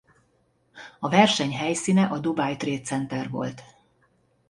A verseny helyszíne a Dubai Trade Center volt.